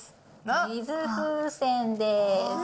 水風船です。